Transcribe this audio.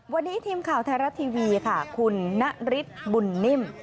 วันนี้ทีมข่าวไทยรัฐทีวีค่ะคุณนฤทธิ์บุญนิ่ม